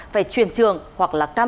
về truyền trường hoặc là các trường